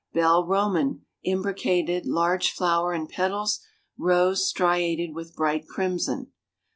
Bell Romann, imbricated, large flower and petals, rose striated with bright crimson.